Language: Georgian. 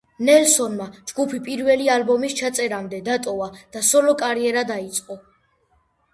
ნელსონმა ჯგუფი პირველი ალბომის ჩაწერამდე დატოვა და სოლო კარიერა დაიწყო.